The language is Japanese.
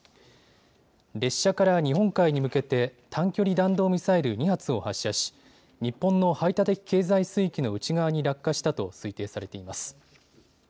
列車から日本海に向けて短距離弾道ミサイル２発を発射し日本の排他的経済水域の内側に落下したと推定されています。